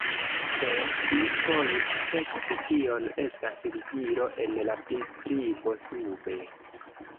Se vi volus sekvi tion, estas ligilo en la priskribo sube.